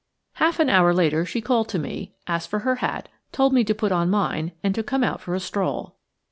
3 HALf an hour later she called to me, asked for her hat, told me to put on mine and to come out for a stroll.